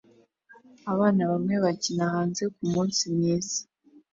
Abana bamwe bakina hanze kumunsi mwiza